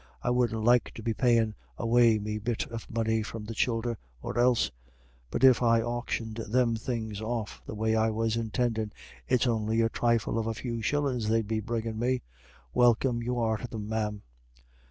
I wouldn't like to be payin' away me bit of money from the childer, or else But if I auctioned them things off the way I was intindin' it's on'y a thrifle of a few shillin's they'd be bringin' me. Welcome you are to them, ma'am."